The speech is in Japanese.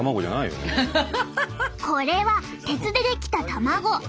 これは鉄で出来た卵。